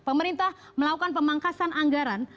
pemerintah melakukan pemangkasan anggaran